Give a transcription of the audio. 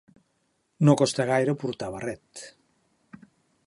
No costa gaire portar barret.